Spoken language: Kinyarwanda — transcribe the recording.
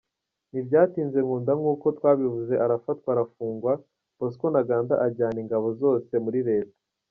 Ntibyatinze Nkunda nk’uko twabivuze arafatwa arafungwa Bosco Ntaganda ajyana ingabo zose muri Leta.